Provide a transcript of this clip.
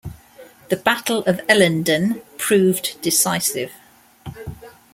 The Battle of Ellendun proved decisive.